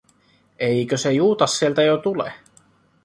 Eikö se Juutas sieltä jo tule?